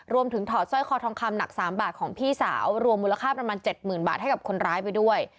ถอดสร้อยคอทองคำหนัก๓บาทของพี่สาวรวมมูลค่าประมาณ๗๐๐บาทให้กับคนร้ายไปด้วย